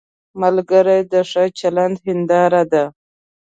ملګری د ښه چلند هنداره ده